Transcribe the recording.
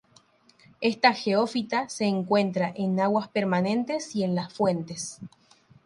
Esta geófita se encuentra en aguas permanentes y en las fuentes.